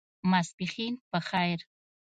ماسپښېن په خیر !